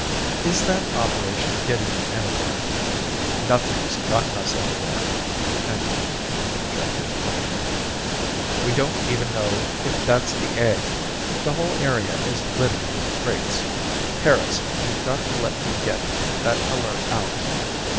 "Is that operation getting you anywhere?" "Nothing's gotten us anywhere," Anderton interjected harshly. "We don't even know if that's the egg the whole area is littered with crates. Harris, you've got to let me get that alert out!"